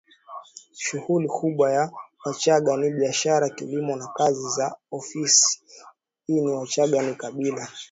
Shughuli kubwa ya Wachagga ni biashara kilimo na kazi za ofisiniWachagga ni kabila